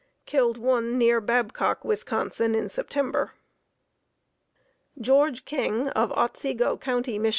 killed one near Babcock, Wis., in September. George King of Otsego County, Mich.